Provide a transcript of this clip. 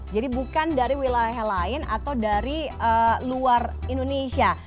jadi bukan dari wilayah lain atau dari luar indonesia